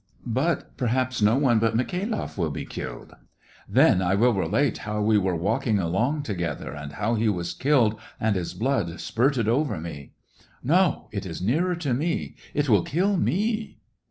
But perhaps no one but Mikhailoff will be killed ; then I will relate how we were walking along together, and how he was killed and his blood spurted over me. No, it is nearer to me ... it will kill me